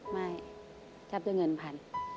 ไม่จับเงินพัน